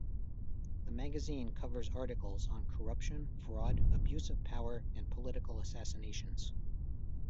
The magazine covers articles on corruption, fraud, abuse of power and political assassinations.